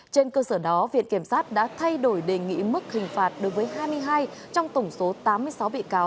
trên cơ sở đó viện kiểm sát đã thay đổi đề nghị mức hình phạt đối với hai mươi hai trong tổng số tám mươi sáu bị cáo